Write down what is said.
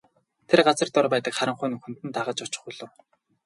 Тэр газар дор байдаг харанхуй нүхэнд нь дагаж очих болов.